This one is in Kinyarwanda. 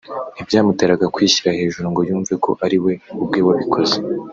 ntibyamuteraga kwishyira hejuru ngo yumve ko ari we ubwe wabikoze